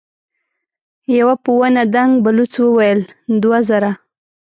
يوه په ونه دنګ بلوڅ وويل: دوه زره.